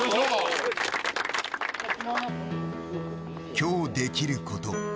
今日できることを。